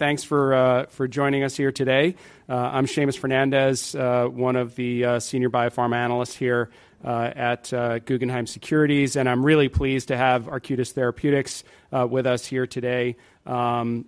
Thanks for joining us here today. I'm Seamus Fernandez, one of the senior biopharma analysts here at Guggenheim Securities, and I'm really pleased to have Arcutis Biotherapeutics with us here today. And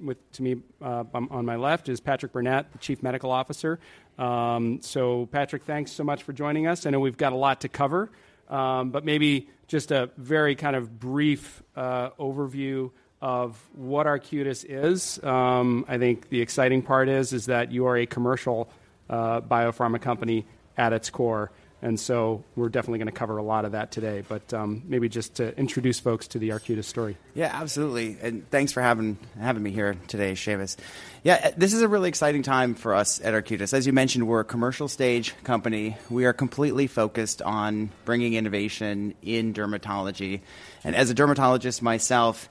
with me on my left is Patrick Burnett, the Chief Medical Officer. So Patrick, thanks so much for joining us. I know we've got a lot to cover, but maybe just a very kind of brief overview of what Arcutis is. I think the exciting part is that you are a commercial biopharma company at its core, and so we're definitely going to cover a lot of that today. But maybe just to introduce folks to the Arcutis story. Yeah, absolutely. And thanks for having me here today, Seamus. Yeah, this is a really exciting time for us at Arcutis. As you mentioned, we're a commercial stage company. We are completely focused on bringing innovation in dermatology. And as a dermatologist myself,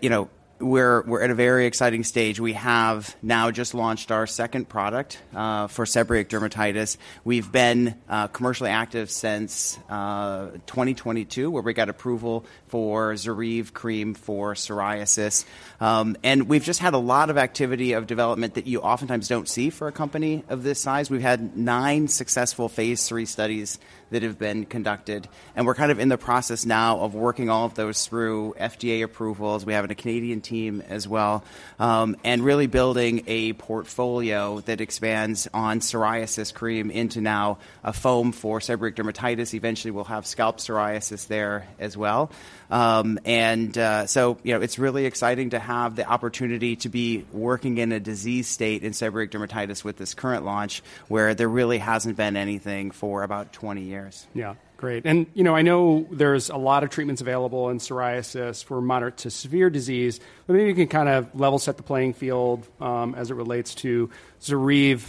you know, we're at a very exciting stage. We have now just launched our second product for seborrheic dermatitis. We've been commercially active since 2022, where we got approval for ZORYVE cream for psoriasis. And we've just had a lot of activity of development that you oftentimes don't see for a company of this size. We've had nine successful phase III studies that have been conducted, and we're kind of in the process now of working all of those through FDA approvals. We have a Canadian team as well, and really building a portfolio that expands on psoriasis cream into now a foam for seborrheic dermatitis. Eventually, we'll have scalp psoriasis there as well. You know, it's really exciting to have the opportunity to be working in a disease state in seborrheic dermatitis with this current launch, where there really hasn't been anything for about 20 years. Yeah. Great. You know, I know there's a lot of treatments available in psoriasis for moderate to severe disease, but maybe you can kind of level set the playing field, as it relates to ZORYVE,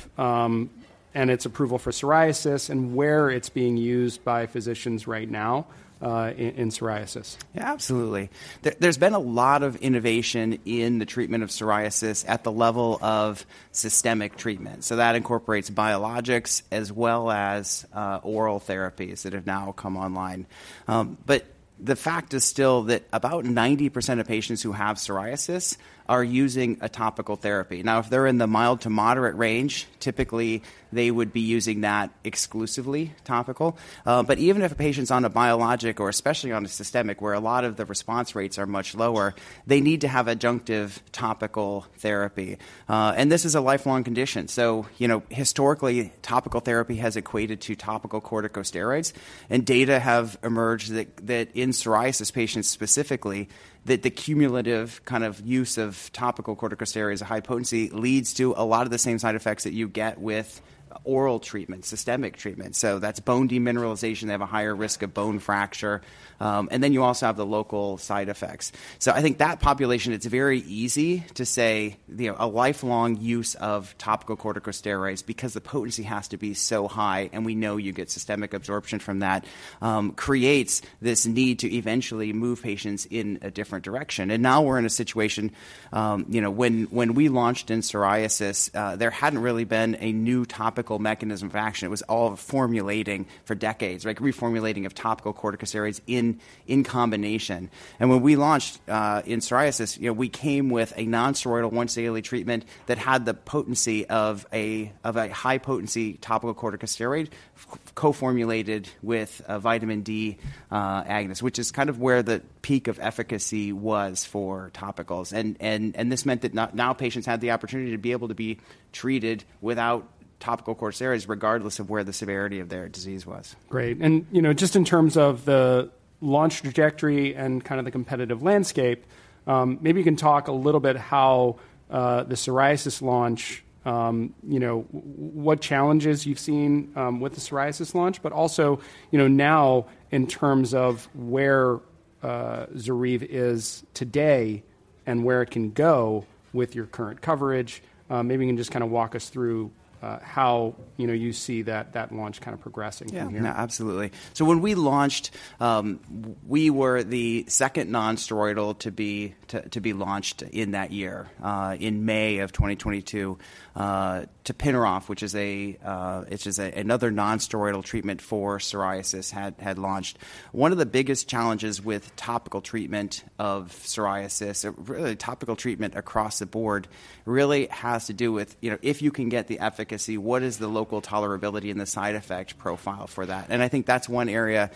and its approval for psoriasis and where it's being used by physicians right now, in psoriasis. Yeah, absolutely. There's been a lot of innovation in the treatment of psoriasis at the level of systemic treatment. So that incorporates biologics as well as oral therapies that have now come online. But the fact is still that about 90% of patients who have psoriasis are using a topical therapy. Now, if they're in the mild to moderate range, typically they would be using that exclusively topical. And this is a lifelong condition. So, you know, historically, topical therapy has equated to topical corticosteroids, and data have emerged that in psoriasis patients specifically, that the cumulative kind of use of topical corticosteroids of high potency leads to a lot of the same side effects that you get with oral treatment, systemic treatment. So that's bone demineralization. They have a higher risk of bone fracture, and then you also have the local side effects. So I think that population, it's very easy to say, you know, a lifelong use of topical corticosteroids because the potency has to be so high, and we know you get systemic absorption from that, creates this need to eventually move patients in a different direction. And now we're in a situation, you know, when we launched in psoriasis, there hadn't really been a new topical mechanism of action. It was all formulating for decades, like reformulating of topical corticosteroids in combination. And when we launched in psoriasis, you know, we came with a nonsteroidal once-daily treatment that had the potency of a high-potency topical corticosteroid co-formulated with a vitamin D agonist, which is kind of where the peak of efficacy was for topicals. And this meant that now patients had the opportunity to be able to be treated without topical corticosteroids, regardless of where the severity of their disease was. Great. You know, just in terms of the launch trajectory and kind of the competitive landscape, maybe you can talk a little bit how the psoriasis launch, you know, what challenges you've seen with the psoriasis launch, but also, you know, now in terms of where ZORYVE is today and where it can go with your current coverage. Maybe you can just kind of walk us through how, you know, you see that launch kind of progressing from here. Yeah, no, absolutely. So when we launched, we were the second nonsteroidal to be launched in that year. In May of 2022, tapinarof, which is another nonsteroidal treatment for psoriasis, had launched. One of the biggest challenges with topical treatment of psoriasis, or really topical treatment across the board, really has to do with, you know, if you can get the efficacy, what is the local tolerability and the side effect profile for that? And I think that's one area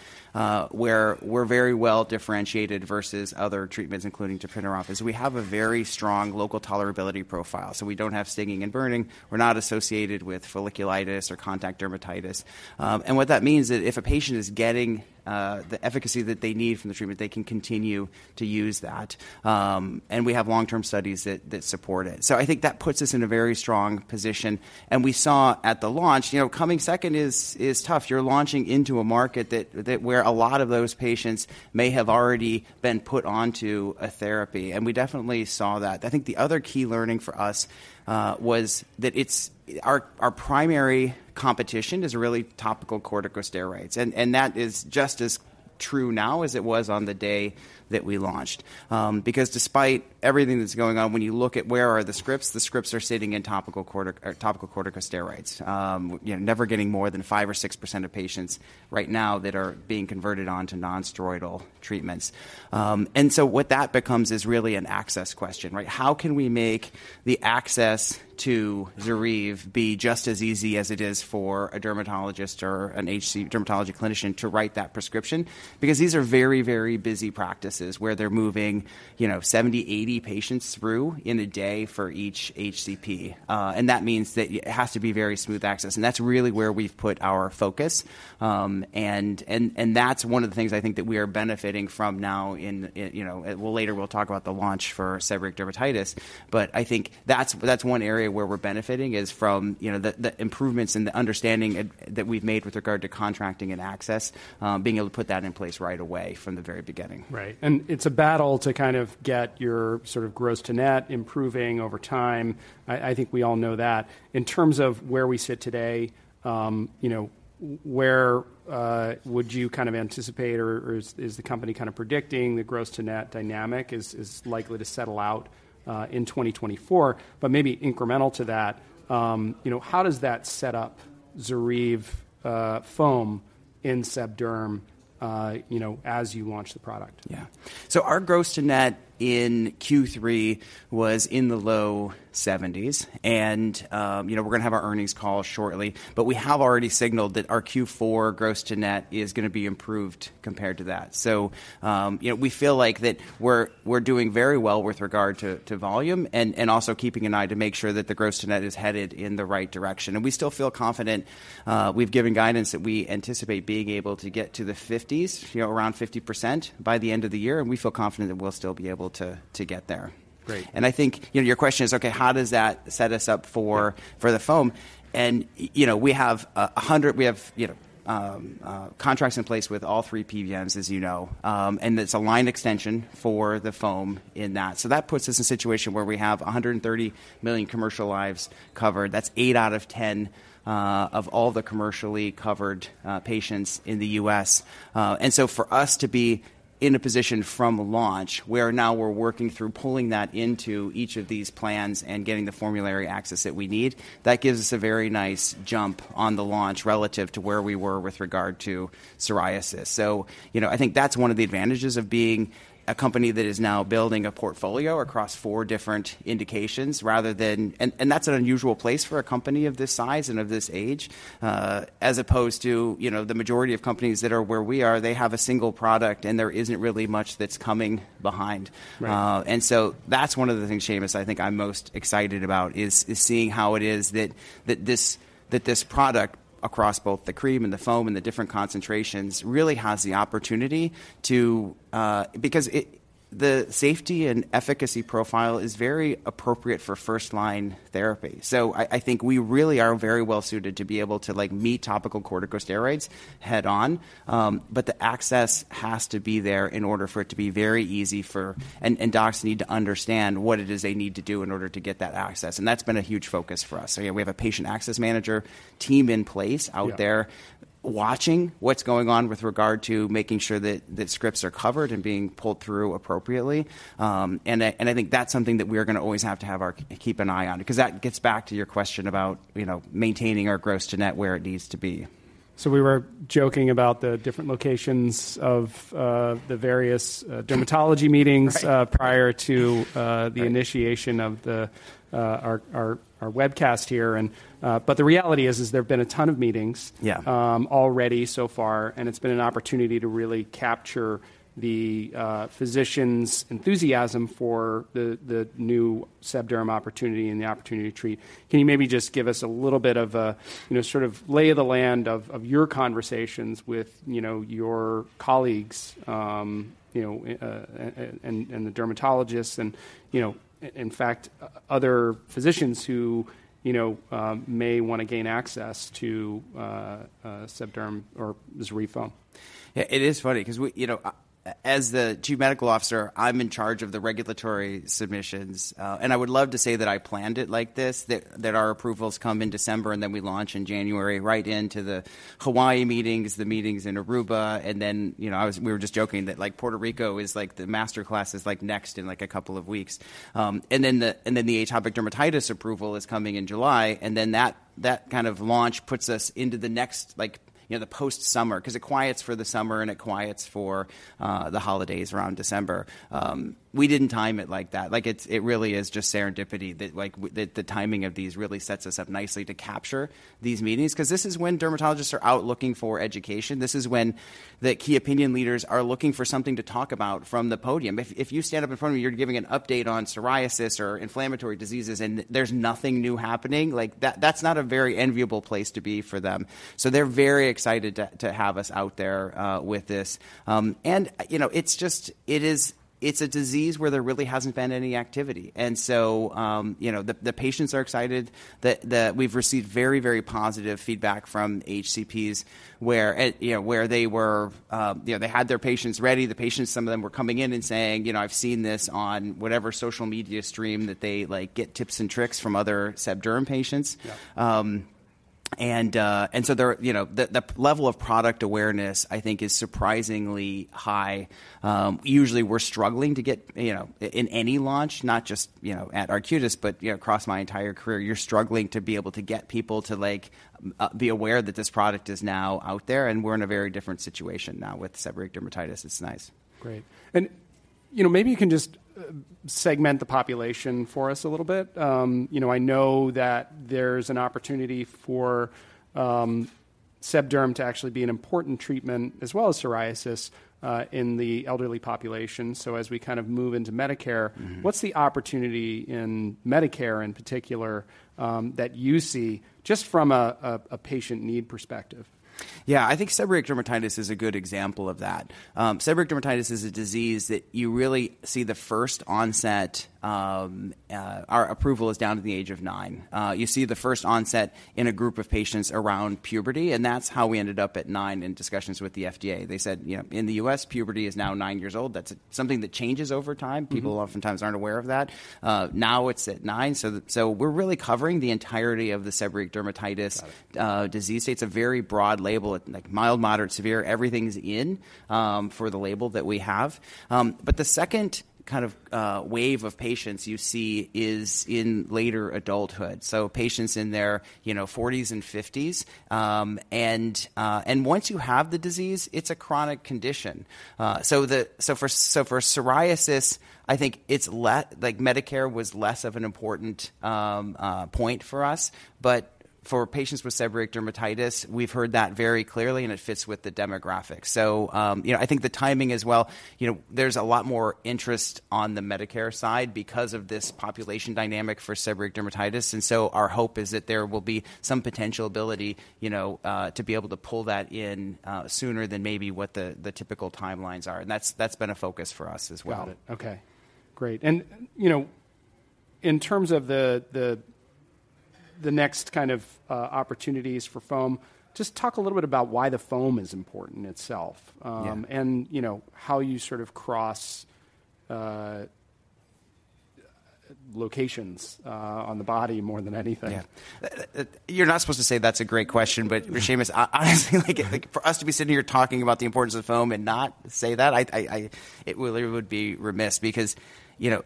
where we're very well differentiated versus other treatments, including tapinarof, is we have a very strong local tolerability profile. So we don't have stinging and burning, we're not associated with folliculitis or contact dermatitis. And what that means is if a patient is getting the efficacy that they need from the treatment, they can continue to use that. And we have long-term studies that support it. So I think that puts us in a very strong position, and we saw at the launch, you know, coming second is tough. You're launching into a market that where a lot of those patients may have already been put onto a therapy, and we definitely saw that. I think the other key learning for us was that it's our primary competition is really topical corticosteroids, and that is just as true now as it was on the day that we launched. Because despite everything that's going on, when you look at where are the scripts, the scripts are sitting in topical corticosteroids. You know, never getting more than 5%-6% of patients right now that are being converted onto nonsteroidal treatments. And so what that becomes is really an access question, right? How can we make the access to ZORYVE be just as easy as it is for a dermatologist or an HCP dermatology clinician to write that prescription? Because these are very, very busy practices where they're moving, you know, 70-80 patients through in a day for each HCP. And that means that it has to be very smooth access, and that's really where we've put our focus. And that's one of the things I think that we are benefiting from now in, in, you know... Well, later, we'll talk about the launch for seborrheic dermatitis. I think that's one area where we're benefiting is from, you know, the improvements in the understanding that we've made with regard to contracting and access, being able to put that in place right away from the very beginning. Right. And it's a battle to kind of get your sort of gross-to-net improving over time. I think we all know that. In terms of where we sit today, you know, where would you kind of anticipate or is the company kind of predicting the gross-to-net dynamic is likely to settle out in 2024? But maybe incremental to that, you know, how does that set up ZORYVE foam in sebderm, you know, as you launch the product? Yeah. So our gross-to-net in Q3 was in the low 70s, and, you know, we're going to have our earnings call shortly, but we have already signaled that our Q4 gross-to-net is going to be improved compared to that. So, you know, we feel like that we're doing very well with regard to volume and also keeping an eye to make sure that the gross-to-net is headed in the right direction. And we still feel confident. We've given guidance that we anticipate being able to get to the 50s, you know, around 50% by the end of the year, and we feel confident that we'll still be able to get there. Great. I think, you know, your question is, okay, how does that set us up for the foam? And, you know, we have contracts in place with all three PBMs, as you know, and it's a line extension for the foam in that. So that puts us in a situation where we have 130 million commercial lives covered. That's 8 out of 10 of all the commercially covered patients in the U.S. And so for us to be in a position from launch, where now we're working through pulling that into each of these plans and getting the formulary access that we need, that gives us a very nice jump on the launch relative to where we were with regard to psoriasis. You know, I think that's one of the advantages of being a company that is now building a portfolio across four different indications rather than... And that's an unusual place for a company of this size and of this age, as opposed to, you know, the majority of companies that are where we are; they have a single product, and there isn't really much that's coming behind. Right. And so that's one of the things, Seamus, I think I'm most excited about, is seeing how it is that this product, across both the cream and the foam and the different concentrations, really has the opportunity to... Because the safety and efficacy profile is very appropriate for first-line therapy. So I think we really are very well suited to be able to, like, meet topical corticosteroids head-on. But the access has to be there in order for it to be very easy for... And docs need to understand what it is they need to do in order to get that access, and that's been a huge focus for us. So yeah, we have a patient access manager team in place- Yeah out there, watching what's going on with regard to making sure that scripts are covered and being pulled through appropriately. I think that's something that we are gonna always have to keep an eye on. Because that gets back to your question about, you know, maintaining our gross-to-net where it needs to be. We were joking about the different locations of the various dermatology meetings- Right... prior to— Right... the initiation of our webcast here, and... But the reality is, there have been a ton of meetings- Yeah... already so far, and it's been an opportunity to really capture the physicians' enthusiasm for the new seborrheic dermatitis opportunity and the opportunity to treat. Can you maybe just give us a little bit of a, you know, sort of lay of the land of your conversations with your colleagues and the dermatologists and, you know, in fact, other physicians who may want to gain access to seborrheic dermatitis or ZORYVE foam? It is funny 'cause we, you know, as the Chief Medical Officer, I'm in charge of the regulatory submissions, and I would love to say that I planned it like this, that, that our approvals come in December, and then we launch in January, right into the Hawaii meetings, the meetings in Aruba, and then, you know, we were just joking that, like, Puerto Rico is like the masterclass, is, like, next in, like, a couple of weeks. And then the, and then the atopic dermatitis approval is coming in July, and then that, that kind of launch puts us into the next, like, you know, the post-summer, 'cause it quiets for the summer, and it quiets for the holidays around December. We didn't time it like that. Like, it's, it really is just serendipity that, like, the timing of these really sets us up nicely to capture these meetings. 'Cause this is when dermatologists are out looking for education. This is when the key opinion leaders are looking for something to talk about from the podium. If you stand up in front of me, you're giving an update on psoriasis or inflammatory diseases, and there's nothing new happening, like, that's not a very enviable place to be for them. So they're very excited to have us out there with this. And, you know, it's just, it's a disease where there really hasn't been any activity. And so, you know, the patients are excited that we've received very, very positive feedback from HCPs where, you know, where they were, you know, they had their patients ready. The patients, some of them were coming in and saying, "You know, I've seen this on..." whatever social media stream that they, like, get tips and tricks from other sebderm patients. Yeah. ... And, and so there, you know, the level of product awareness, I think, is surprisingly high. Usually we're struggling to get, you know, in any launch, not just, you know, at Arcutis, but, you know, across my entire career, you're struggling to be able to get people to, like, be aware that this product is now out there, and we're in a very different situation now with seborrheic dermatitis. It's nice. Great. You know, maybe you can just segment the population for us a little bit. You know, I know that there's an opportunity for sebderm to actually be an important treatment, as well as psoriasis, in the elderly population. So as we kind of move into Medicare- Mm-hmm. What's the opportunity in Medicare, in particular, that you see just from a patient need perspective? Yeah, I think seborrheic dermatitis is a good example of that. Seborrheic dermatitis is a disease that you really see the first onset, Our approval is down to the age of nine. You see the first onset in a group of patients around puberty, and that's how we ended up at nine in discussions with the FDA. They said, "You know, in the U.S., puberty is now nine years old." That's something that changes over time. Mm-hmm. People oftentimes aren't aware of that. Now it's at 9, so we're really covering the entirety of the seborrheic dermatitis- Got it... disease state. It's a very broad label. Like, mild, moderate, severe, everything's in for the label that we have. But the second kind of wave of patients you see is in later adulthood, so patients in their, you know, forties and fifties. And once you have the disease, it's a chronic condition. So for psoriasis, I think it's like, Medicare was less of an important point for us, but for patients with seborrheic dermatitis, we've heard that very clearly, and it fits with the demographics. So, you know, I think the timing as well, you know, there's a lot more interest on the Medicare side because of this population dynamic for seborrheic dermatitis, and so our hope is that there will be some potential ability, you know, to be able to pull that in sooner than maybe what the typical timelines are, and that's been a focus for us as well. Got it. Okay, great. And, you know, in terms of the next kind of opportunities for foam, just talk a little bit about why the foam is important itself. Yeah. And you know, how you sort of cross locations on the body more than anything. Yeah. You're not supposed to say, "That's a great question," but Seamus, honestly, like, for us to be sitting here talking about the importance of foam and not say that, I it really would be remiss because, you know,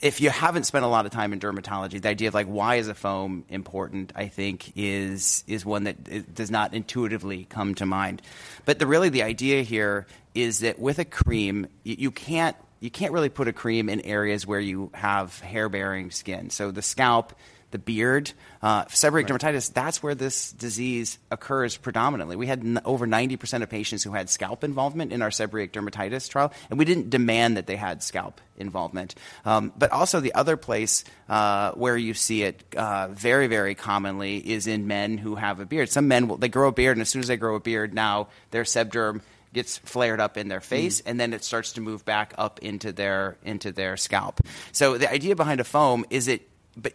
if you haven't spent a lot of time in dermatology, the idea of like, why is a foam important, I think is one that does not intuitively come to mind. But really, the idea here is that with a cream, you can't, you can't really put a cream in areas where you have hair-bearing skin, so the scalp, the beard. Right... seborrheic dermatitis, that's where this disease occurs predominantly. We had over 90% of patients who had scalp involvement in our seborrheic dermatitis trial, and we didn't demand that they had scalp involvement. But also, the other place where you see it very, very commonly is in men who have a beard. Some men will-- they grow a beard, and as soon as they grow a beard, now their sebderm gets flared up in their face- Mm-hmm... and then it starts to move back up into their, into their scalp. So the idea behind a foam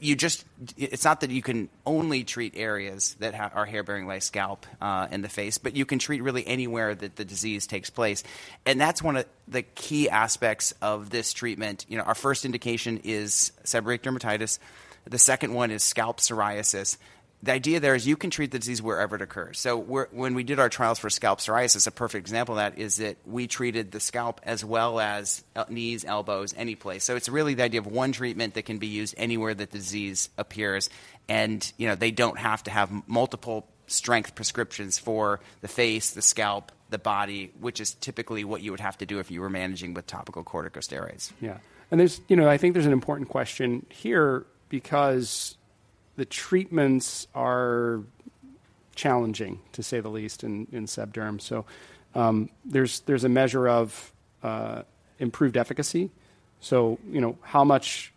is—it's not that you can only treat areas that are hair-bearing, like scalp and the face, but you can treat really anywhere that the disease takes place. And that's one of the key aspects of this treatment. You know, our first indication is seborrheic dermatitis. The second one is scalp psoriasis. The idea there is you can treat the disease wherever it occurs. So when we did our trials for scalp psoriasis, a perfect example of that is that we treated the scalp as well as knees, elbows, any place. It's really the idea of one treatment that can be used anywhere the disease appears, and, you know, they don't have to have multiple strength prescriptions for the face, the scalp, the body, which is typically what you would have to do if you were managing with topical corticosteroids. Yeah. And there's, you know, I think there's an important question here because the treatments are challenging, to say the least, in sebderm. So, there's a measure of improved efficacy. So, you know, how much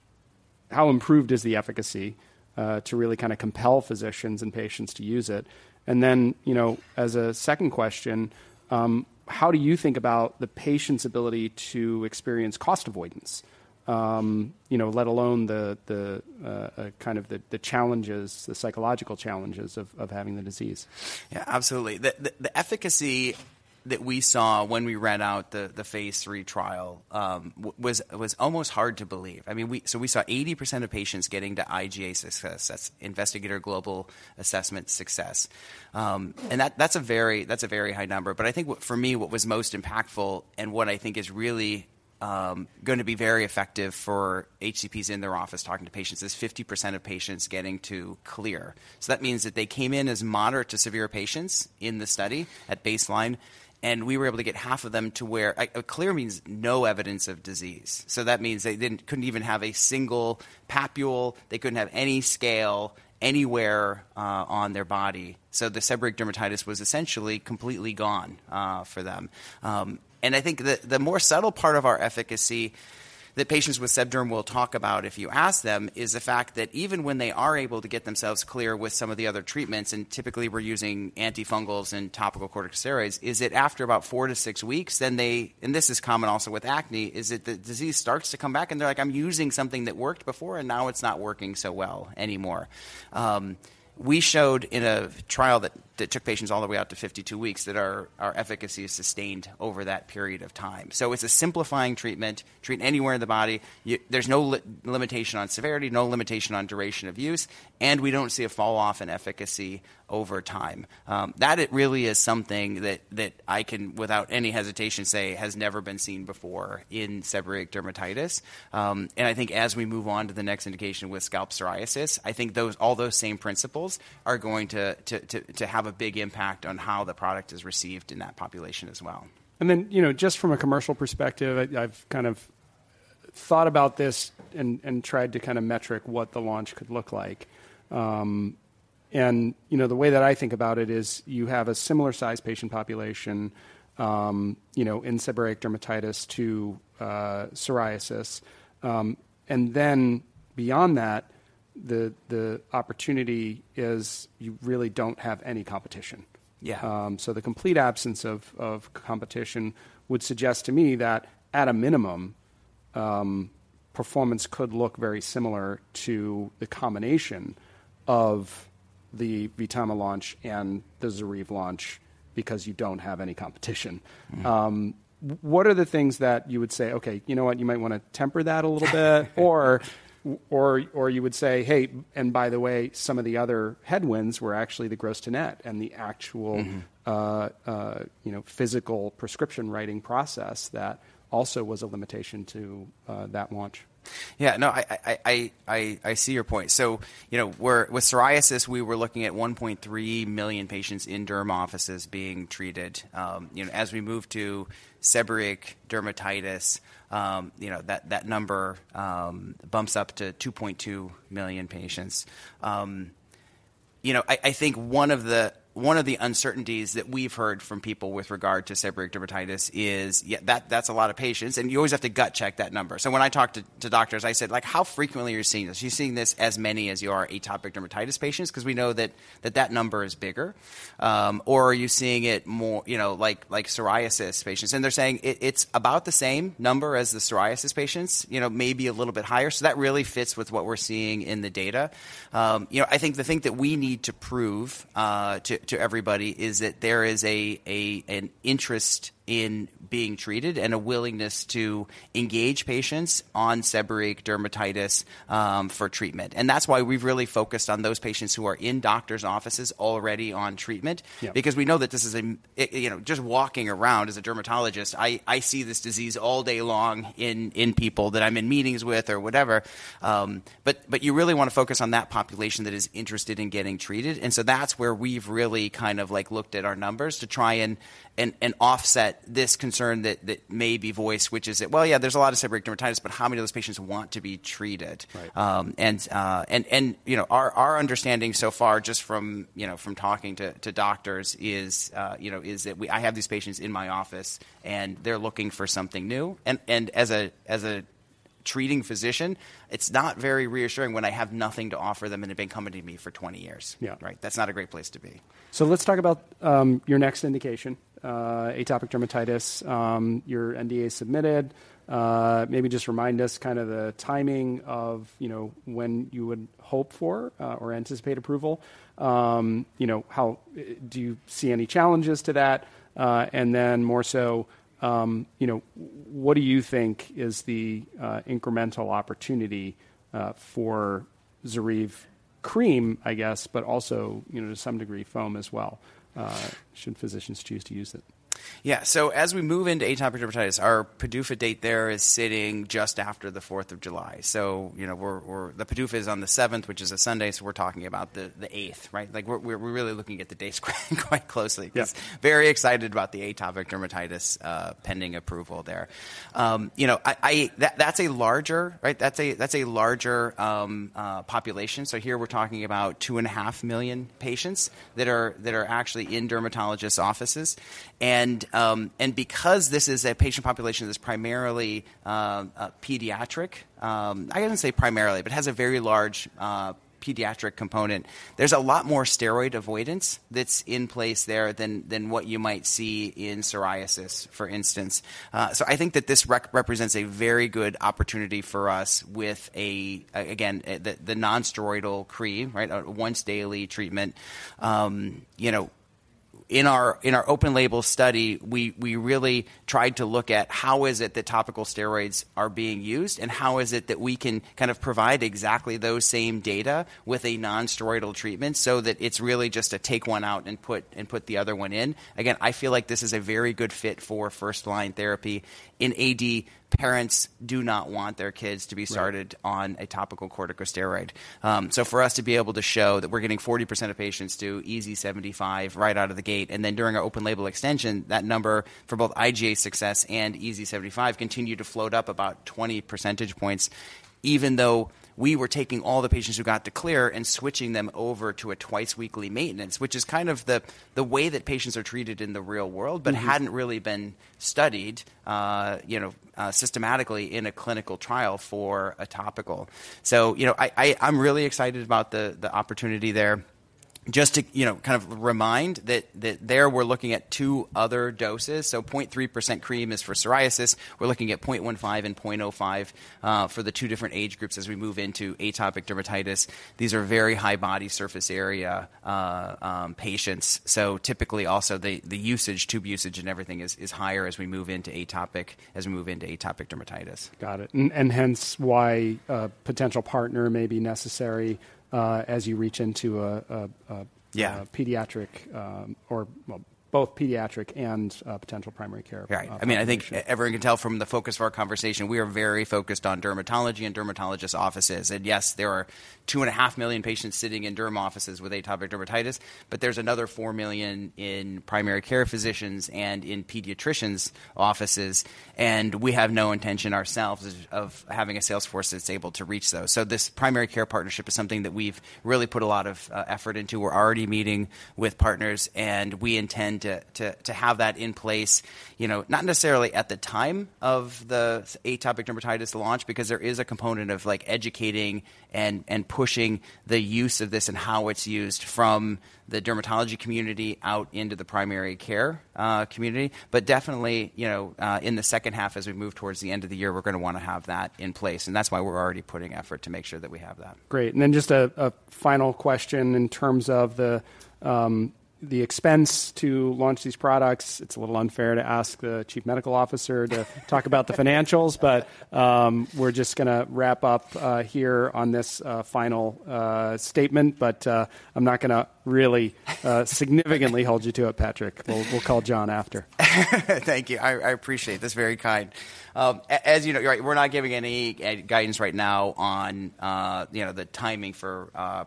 improved is the efficacy to really kind of compel physicians and patients to use it? And then, you know, as a second question, how do you think about the patient's ability to experience cost avoidance, you know, let alone the challenges, the psychological challenges of having the disease? Yeah, absolutely. The efficacy that we saw when we read out the phase III trial was almost hard to believe. I mean, so we saw 80% of patients getting to IGA success, that's Investigator Global Assessment Success. And that's a very high number. But I think, for me, what was most impactful and what I think is really going to be very effective for HCPs in their office talking to patients is 50% of patients getting to clear. So that means that they came in as moderate to severe patients in the study at baseline, and we were able to get half of them to where clear means no evidence of disease, so that means they didn't, couldn't even have a single papule, they couldn't have any scale anywhere on their body. So the seborrheic dermatitis was essentially completely gone for them. I think the more subtle part of our efficacy that patients with sebderm will talk about if you ask them is the fact that even when they are able to get themselves clear with some of the other treatments, and typically we're using antifungals and topical corticosteroids, is that after about 4-6 weeks, then they... This is common also with acne, is that the disease starts to come back, and they're like: "I'm using something that worked before, and now it's not working so well anymore." We showed in a trial that took patients all the way out to 52 weeks that our efficacy is sustained over that period of time. So it's a simplifying treatment, treat anywhere in the body. There's no limitation on severity, no limitation on duration of use, and we don't see a fall-off in efficacy over time. That it really is something that I can, without any hesitation, say has never been seen before in seborrheic dermatitis. I think as we move on to the next indication with scalp psoriasis, I think those, all those same principles are going to have a big impact on how the product is received in that population as well. And then, you know, just from a commercial perspective, I've kind of thought about this and tried to kind of metric what the launch could look like. You know, the way that I think about it is you have a similar size patient population, you know, in seborrheic dermatitis to psoriasis. And then beyond that, the opportunity is you really don't have any competition. Yeah. So the complete absence of competition would suggest to me that at a minimum, performance could look very similar to the combination of the VTAMA launch and the ZORYVE launch because you don't have any competition. Mm-hmm. What are the things that you would say, "Okay, you know what? You might wanna temper that a little bit?" Or you would say, "Hey, and by the way, some of the other headwinds were actually the gross-to-net and the actual- Mm-hmm... you know, physical prescription writing process that also was a limitation to that launch. Yeah. No, I see your point. So, you know, we're—with psoriasis, we were looking at 1.3 million patients in derm offices being treated. You know, as we move to seborrheic dermatitis, you know, that number bumps up to 2.2 million patients. You know, I think one of the uncertainties that we've heard from people with regard to seborrheic dermatitis is, yeah, that's a lot of patients, and you always have to gut check that number. So when I talk to doctors, I said, like, "How frequently are you seeing this? Are you seeing this as many as you are atopic dermatitis patients, 'cause we know that number is bigger? Or are you seeing it more, you know, like, like psoriasis patients? And they're saying it's about the same number as the psoriasis patients, you know, maybe a little bit higher. So that really fits with what we're seeing in the data. You know, I think the thing that we need to prove to everybody is that there is an interest in being treated and a willingness to engage patients on seborrheic dermatitis for treatment. And that's why we've really focused on those patients who are in doctors' offices already on treatment. Yeah. Because we know that this is a... You know, just walking around as a dermatologist, I see this disease all day long in people that I'm in meetings with or whatever. But you really want to focus on that population that is interested in getting treated, and so that's where we've really kind of, like, looked at our numbers to try and offset this concern that may be voiced, which is that, well, yeah, there's a lot of seborrheic dermatitis, but how many of those patients want to be treated? Right. You know, our understanding so far, just from, you know, from talking to doctors is, you know, is that I have these patients in my office, and they're looking for something new. As a treating physician, it's not very reassuring when I have nothing to offer them, and they've been coming to me for 20 years. Yeah. Right? That's not a great place to be. So let's talk about your next indication, atopic dermatitis, your NDA submitted. Maybe just remind us kind of the timing of, you know, when you would hope for or anticipate approval. You know, how do you see any challenges to that? And then more so, you know, what do you think is the incremental opportunity for ZORYVE cream, I guess, but also, you know, to some degree, foam as well, should physicians choose to use it? Yeah. So as we move into atopic dermatitis, our PDUFA date there is sitting just after the Fourth of July. So, you know, we're... The PDUFA is on the seventh, which is a Sunday, so we're talking about the eighth, right? Like, we're really looking at the dates quite closely. Yeah. Very excited about the atopic dermatitis, pending approval there. You know, that's a larger population, right. So here we're talking about 2.5 million patients that are actually in dermatologists' offices. Because this is a patient population that's primarily pediatric, I wouldn't say primarily, but has a very large pediatric component, there's a lot more steroid avoidance that's in place there than what you might see in psoriasis, for instance. So I think that this represents a very good opportunity for us with, again, the nonsteroidal cream, right, once daily treatment. You know, in our open-label study, we really tried to look at how is it that topical steroids are being used and how is it that we can kind of provide exactly those same data with a nonsteroidal treatment so that it's really just a take one out and put the other one in. Again, I feel like this is a very good fit for first-line therapy. In AD, parents do not want their kids to be- Right... started on a topical corticosteroid. So for us to be able to show that we're getting 40% of patients to EASI 75 right out of the gate, and then during our open-label extension, that number for both IGA success and EASI 75 continued to float up about 20 percentage points, even though we were taking all the patients who got the clear and switching them over to a twice weekly maintenance, which is kind of the way that patients are treated in the real world- Mm-hmm... but hadn't really been studied, you know, systematically in a clinical trial for a topical. So, you know, I, I'm really excited about the, the opportunity there. Just to, you know, kind of remind that we're looking at two other doses. So 0.3% cream is for psoriasis. We're looking at 0.15% and 0.05%, for the two different age groups as we move into atopic dermatitis. These are very high body surface area patients. So typically also the usage, tube usage and everything is higher as we move into atopic dermatitis. Got it. And hence why a potential partner may be necessary, as you reach into a, a, a- Yeah... pediatric, both pediatric and potential primary care. Right. I mean, I think everyone can tell from the focus of our conversation, we are very focused on dermatology and dermatologist offices. And yes, there are 2.5 million patients sitting in derm offices with atopic dermatitis, but there's another 4 million in primary care physicians and in pediatricians' offices, and we have no intention ourselves of having a sales force that's able to reach those. So this primary care partnership is something that we've really put a lot of effort into. We're already meeting with partners, and we intend to have that in place, you know, not necessarily at the time of the atopic dermatitis launch, because there is a component of, like, educating and pushing the use of this and how it's used from the dermatology community out into the primary care community. But definitely, you know, in the second half, as we move towards the end of the year, we're gonna wanna have that in place, and that's why we're already putting effort to make sure that we have that. Great. And then just a final question in terms of the expense to launch these products. It's a little unfair to ask the Chief Medical Officer to talk about the financials, but we're just gonna wrap up here on this final statement. But I'm not gonna really significantly hold you to it, Patrick. We'll call John after. Thank you. I, I appreciate it. That's very kind. As you know, you're right, we're not giving any guidance right now on, you know, the timing for,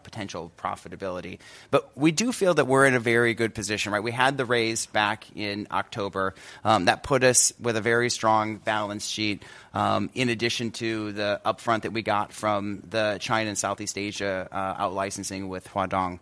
potential profitability, but we do feel that we're in a very good position, right? We had the raise back in October, that put us with a very strong balance sheet, in addition to the upfront that we got from the China and Southeast Asia out-licensing with Huadong.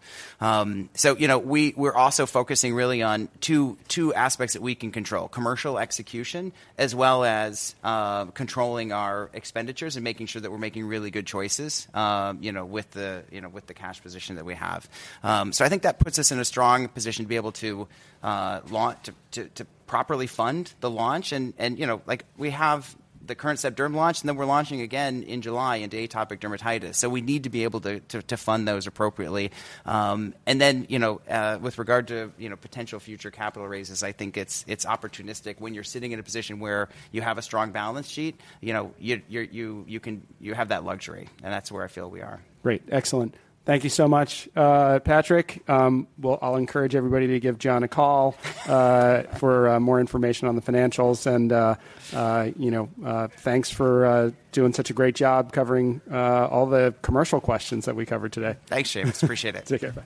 So, you know, we're also focusing really on two, two aspects that we can control: commercial execution, as well as, controlling our expenditures and making sure that we're making really good choices, you know, with the, you know, with the cash position that we have. So I think that puts us in a strong position to be able to, launch... To properly fund the launch and, you know, like, we have the current sebderm launch, and then we're launching again in July into atopic dermatitis. So we need to be able to fund those appropriately. And then, you know, with regard to, you know, potential future capital raises, I think it's opportunistic. When you're sitting in a position where you have a strong balance sheet, you know, you can have that luxury, and that's where I feel we are. Great. Excellent. Thank you so much, Patrick. Well, I'll encourage everybody to give John a call for more information on the financials and, you know, thanks for doing such a great job covering all the commercial questions that we covered today. Thanks, Seamus. Appreciate it. Take care. Bye.